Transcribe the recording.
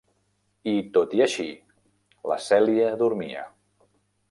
I, tot i així, la Celia dormia.